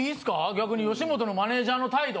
逆に吉本のマネジャーの態度。